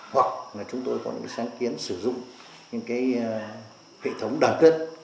hoặc là chúng tôi có những sáng kiến sử dụng những cái hệ thống đoàn kết